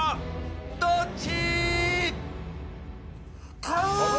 どっち？